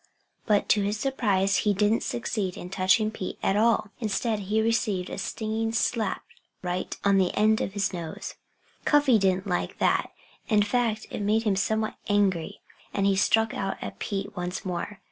But to his surprise he didn't succeed in touching Pete at all. Instead, he received a stinging slap right on the end of his nose. Cuffy didn't like that. In fact, it made him somewhat angry. And he struck out at Pete once more.